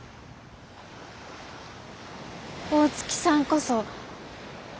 大月さんこそ。